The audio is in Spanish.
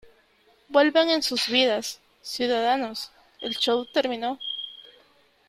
Vuelvan a sus vidas , ciudadanos . El show terminó .